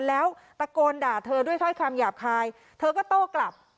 แล้วตะโกนด่าเธอด้วยถ้อยคำหยาบคายเธอก็โต้กลับ